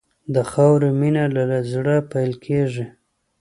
د خاورې مینه له زړه پیل کېږي.